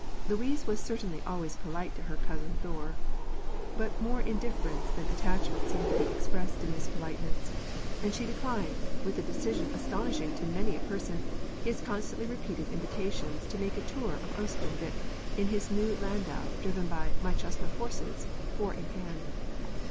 Louise was certainly always polite to her "Cousin Thure," but more indifference than attachment seemed to be expressed in this politeness; and she declined, with a decision astonishing to many a person, his constantly repeated invitations to make a tour to Oestanvik in his new landau drawn by "my chestnut horses," four in hand.